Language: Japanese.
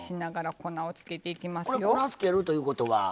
粉をつけるということは。